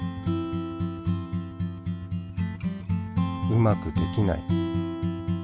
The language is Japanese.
うまくできない。